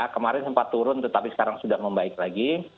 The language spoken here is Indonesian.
kemarin sempat turun tetapi sekarang sudah membaik lagi